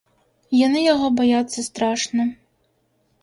Яны яго баяцца страшна.